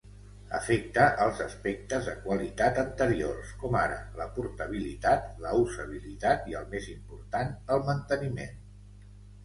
Afecta els aspectes de qualitat anteriors, com ara la portabilitat, la usabilitat i el més important, el manteniment.